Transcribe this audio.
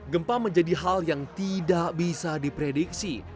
gempa menjadi hal yang tidak bisa diprediksi